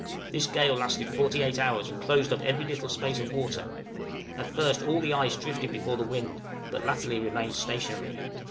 This gale lasted forty eight hours, and closed up every little space of water; at first all the ice drifted before the wind, but latterly remained stationary.